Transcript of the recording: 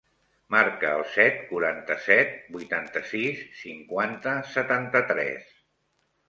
Marca el set, quaranta-set, vuitanta-sis, cinquanta, setanta-tres.